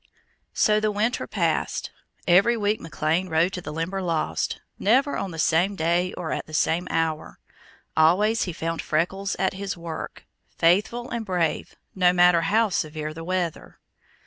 So the winter passed. Every week McLean rode to the Limberlost; never on the same day or at the same hour. Always he found Freckles at his work, faithful and brave, no matter how severe the weather.